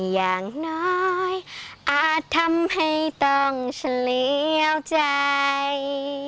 อย่างน้อยอาจทำให้ต้องเฉลี่ยวใจ